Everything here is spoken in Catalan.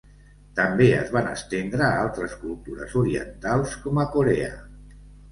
També es van estendre a altres cultures orientals, com a Corea.